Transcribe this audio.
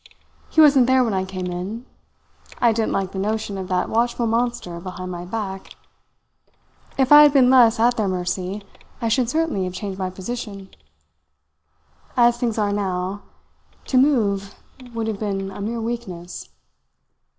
He wasn't there when I came in. I didn't like the notion of that watchful monster behind my back. If I had been less at their mercy, I should certainly have changed my position. As things are now, to move would have been a mere weakness.